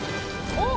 おっ！